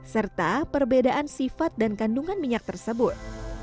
serta perbedaan sifat dan kandungan minyak tersebut